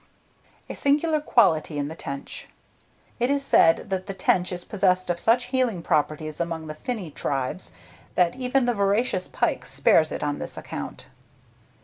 A SINGULAR QUALITY IN THE TENCH. It is said that the tench is possessed of such healing properties among the finny tribes, that even the voracious pike spares it on this account.